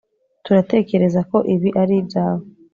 Turatekereza ko ibi ari ibyawe